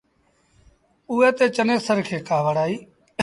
اُئي تي چنيسر کي ڪآوڙ آئيٚ۔